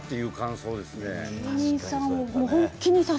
そうですね。